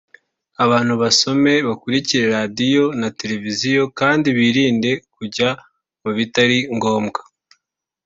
Abantu basome bakurikire radio na Televiziyo kandi birinde kujya mu bitari ngombwa